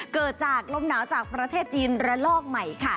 เกิดจากลมหนาวจากประเทศจีนระลอกใหม่ค่ะ